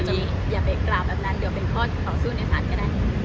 คืออย่าไปกราบแบบนั้นเดี๋ยวเป็นข้อสู้ในตอนก็ได้